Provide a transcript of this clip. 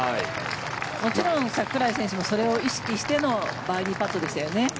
もちろん櫻井選手もそれを意識してのバーディーパットでしたよね。